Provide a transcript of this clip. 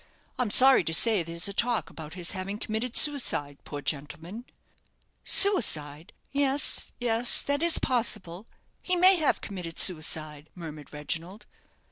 I'm sorry to say there's a talk about his having committed suicide, poor gentleman!" "Suicide yes yes that is possible; he may have committed suicide," murmured Reginald.